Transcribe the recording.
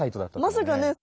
まさかね。